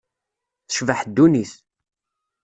Tecbeḥ ddunit.